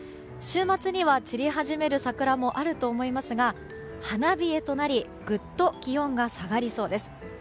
週末には散り始める桜もあると思いますが花冷えとなりぐっと気温が下がりそうです。